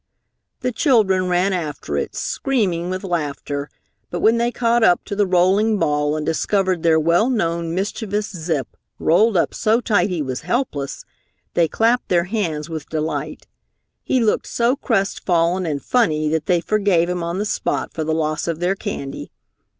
The children ran after it, screaming with laughter, but when they caught up to the rolling ball and discovered their well known, mischievous Zip rolled up so tight he was helpless, they clapped their hands with delight. He looked so crestfallen and funny that they forgave him on the spot for the loss of their candy.